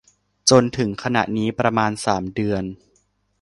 จนถึงขณะนี้ประมาณสามเดือน